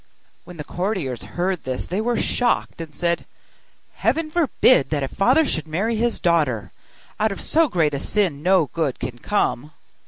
When the courtiers heard this they were shocked, and said, 'Heaven forbid that a father should marry his daughter! Out of so great a sin no good can come.